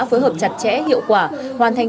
phối hợp chặt chẽ hiệu quả hoàn thành